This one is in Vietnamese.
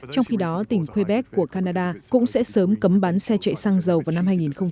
hai nghìn hai mươi năm trong khi đó tỉnh quebec của canada cũng sẽ sớm cấm bán xe chạy xăng dầu vào năm hai nghìn ba mươi năm